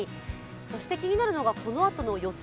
気になるのがこのあとの予想